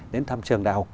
đến thăm trường đại học